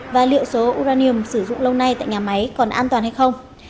và liệu số uranium sử dụng lâu nay tại nhà máy còn an toàn hay không